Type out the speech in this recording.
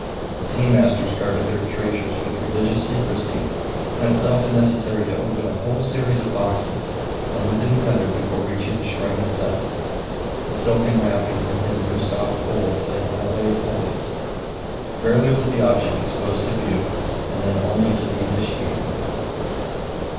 The tea masters guarded their treasures with religious secrecy, and it was often necessary to open a whole series of boxes, one within another, before reaching the shrine itself the silken wrapping within whose soft folds lay the holy of holies. Rarely was the object exposed to view, and then only to the initiated.